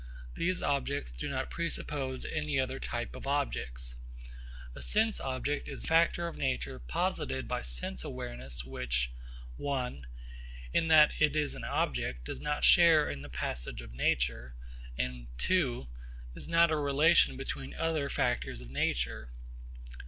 These objects do not presuppose any other type of objects. A sense object is a factor of nature posited by sense awareness which (i), in that it is an object, does not share in the passage of nature and (ii) is not a relation between other factors of nature.